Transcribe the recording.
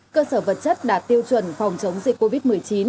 cơ sở vật chất đạt tiêu chuẩn phòng chống dịch covid một mươi chín